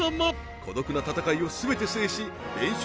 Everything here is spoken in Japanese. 孤独な戦いを全て制し連勝